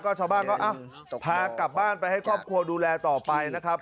ชาวบ้านก็พากลับบ้านไปให้ครอบครัวดูแลต่อไปนะครับ